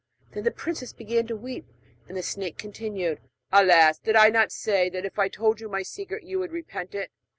Then the princess began to weep; and the snake continued: 'Alas! did I not say that if I told you my secret you would repent it?